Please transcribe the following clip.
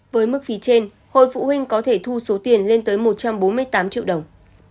với mức phí trên hội phụ huynh có thể thu số tiền lên tới một trăm bốn mươi tám triệu đồng